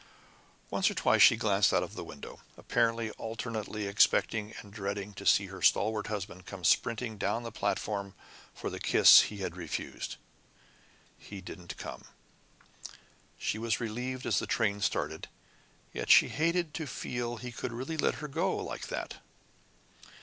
Once or twice she glanced out of the window, apparently alternately expecting and dreading to see her stalwart husband come sprinting down the platform for the kiss he had refused. He didn't come! She was relieved as the train started yet she hated to feel he could really let her go like that!